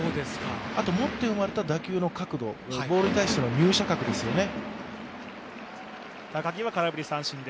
あと、持って生まれた角度、ボールに対しての入射角ですよね。